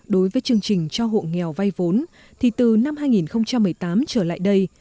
đối với chương trình cho hộ nghèo vay vốn thì từ năm hai nghìn một mươi tám trở lại đây